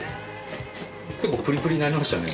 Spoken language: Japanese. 結構プリプリになりましたね。